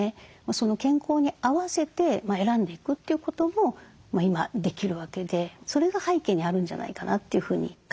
健康に合わせて選んでいくということも今できるわけでそれが背景にあるんじゃないかなというふうに考えています。